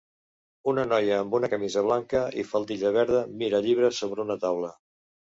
Una noia amb una camisa blanca i faldilla verda mira llibres sobre una taula.